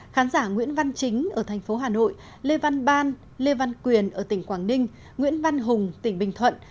khán giả nguyễn văn chính ở thành phố hà nội lê văn ban lê văn quyền ở tỉnh quảng ninh nguyễn văn hùng tỉnh bình thuận